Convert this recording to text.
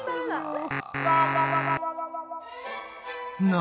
何！？